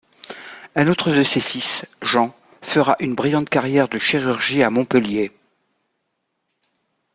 Un autre de ses fils, Jean, fera une brillante carrière de chirurgie à Montpellier.